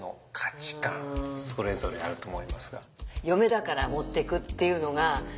それぞれあると思いますが。